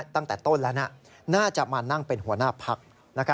ตั้งแต่ต้นแล้วน่าจะมานั่งเป็นหัวหน้าพัก